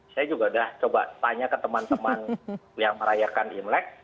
saya juga sudah coba tanya ke teman teman yang merayakan imlek